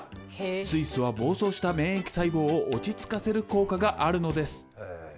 水素は暴走した免疫細胞を落ち着かせる効果があるのです。